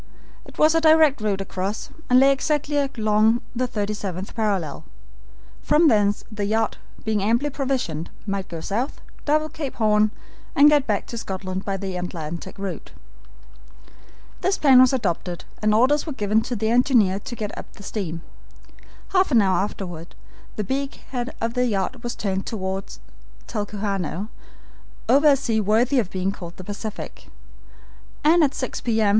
It was a direct route across, and lay exactly along the 37th parallel. From thence the yacht, being amply provisioned, might go south, double Cape Horn, and get back to Scotland by the Atlantic route. This plan was adopted, and orders were given to the engineer to get up the steam. Half an hour afterward the beak head of the yacht was turned toward Talcahuano, over a sea worthy of being called the Pacific, and at six P. M.